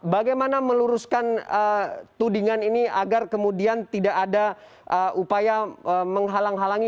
bagaimana meluruskan tudingan ini agar kemudian tidak ada upaya menghalang halangi